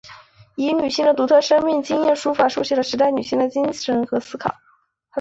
以女性的独特生命经验书法抒写了时代女性的精神和思考。